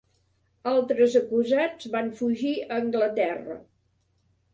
Altres acusats van fugir a Anglaterra.